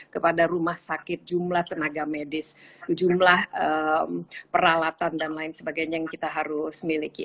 kepada rumah sakit jumlah tenaga medis jumlah peralatan dan lain sebagainya yang kita harus miliki